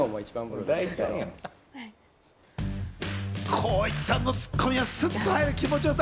光一さんのツッコミがスッと入る気持ちよさ。